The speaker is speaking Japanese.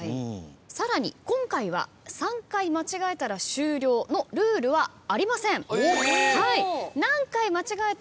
さらに今回は３回間違えたら終了のルールはありません。